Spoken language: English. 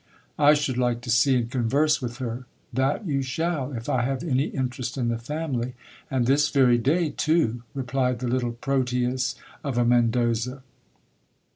I should like to see and converse with her. That you shall, if I have any interest in the family, and this very day j too, replied the little Troteus of a Mendoza.